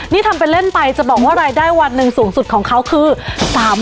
นี่ทำไปเล่นไปจะบอกว่ารายได้วันนึงสูงสุดของเขาคือ๓๐๐๐บาท